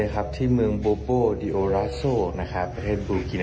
นะครับที่เมืองโบโบดิโอราโซนะครับประเทศบุรกิน